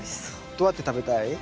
どうやって食べたい？